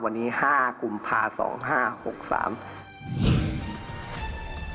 วันนี้๕กุมภาพันธ์๒๕๖๓